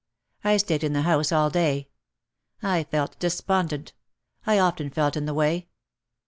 I stayed in the house all day. I felt despondent. I often felt in the way.